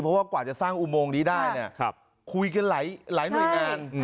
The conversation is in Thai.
เพราะว่ากว่าจะสร้างอุโมงนี้ได้เนี่ยคุยกันหลายหน่วยงาน